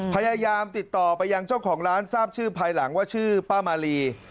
พยายามติดต่อไปยังเจ้าของร้านทราบชื่อภายหลังว่าชื่อป้ามาลี